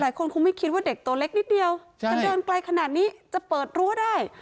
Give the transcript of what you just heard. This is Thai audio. คงไม่คิดว่าเด็กตัวเล็กนิดเดียวจะเดินไกลขนาดนี้จะเปิดรั้วได้